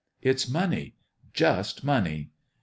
It's money just money."